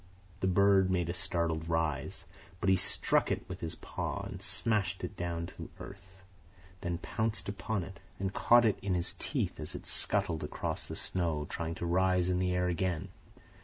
The bird made a startled rise, but he struck it with his paw, and smashed it down to earth, then pounced upon it, and caught it in his teeth as it scuttled across the snow trying to rise in the air again.